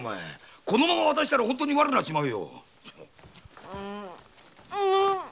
このまま渡したら本当に悪くなっちまうよ！